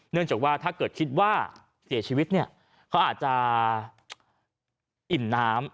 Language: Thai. เนื่องจากว่าถ้าเกิดคิดว่าเสียชีวิตเนี่ยเขาอาจจะอิ่มน้ำ